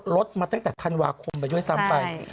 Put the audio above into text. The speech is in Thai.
ลดมาตั้งแต่ธันวาคมไปด้วยซ้ำไป